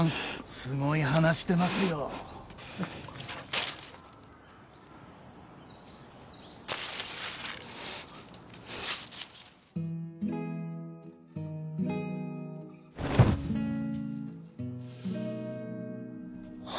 すごい鼻してますよは